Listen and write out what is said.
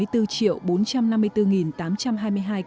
bảy mươi bốn triệu bốn trăm linh người nhiễm covid một mươi chín